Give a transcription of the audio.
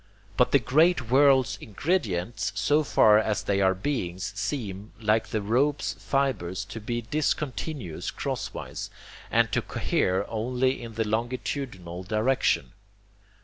But the great world's ingredients, so far as they are beings, seem, like the rope's fibres, to be discontinuous cross wise, and to cohere only in the longitudinal direction.